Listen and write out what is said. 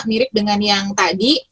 mirip dengan yang tadi